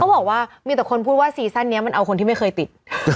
บอกว่ามีแต่คนพูดว่าซีซั่นนี้มันเอาคนที่ไม่เคยติด